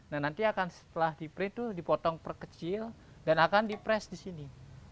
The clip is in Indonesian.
nanti akan setelah di print itu dipotong per kecil dan akan di press disini